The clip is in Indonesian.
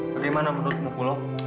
bagaimana menurutmu kolo